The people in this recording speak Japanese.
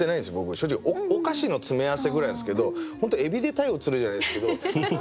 正直お菓子の詰め合わせぐらいなんですけど本当エビでタイを釣るじゃないですけど。